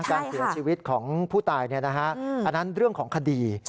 การเสียชีวิตของผู้ตายอันนั้นเรื่องของคดี